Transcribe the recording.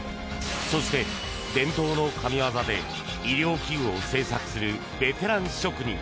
そして、伝統の神業で医療器具を製作するベテラン職人